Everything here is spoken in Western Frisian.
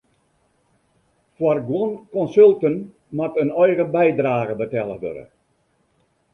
Foar guon konsulten moat in eigen bydrage betelle wurde.